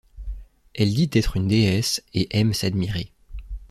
Elle dit être une déesse et aime s'admirer.